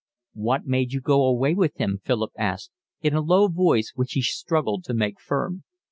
"What made you go away with him?" Philip asked, in a low voice which he struggled to make firm.